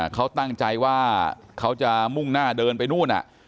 เขาตั้งใจว่าเขาจะมุ่งหน้าเดินไปนู่น